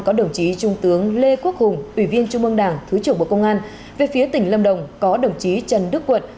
có đồng chí trung tướng lê quốc hùng ủy viên trung mương đảng thứ trưởng bộ công an về phía tỉnh lâm đồng có đồng chí trần đức quận